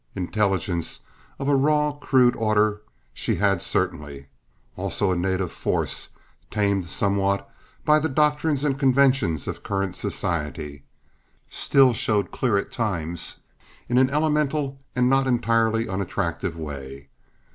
Intelligence, of a raw, crude order she had certainly—also a native force, tamed somewhat by the doctrines and conventions of current society, still showed clear at times in an elemental and not entirely unattractive way.